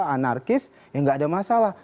anarkis ya nggak ada masalah